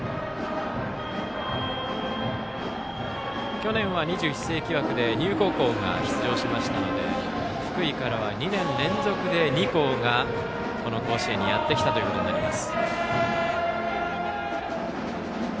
去年は２１世紀枠で丹生高校が出場しましたので福井からは２年連続で２校が、この甲子園にやってきたことになります。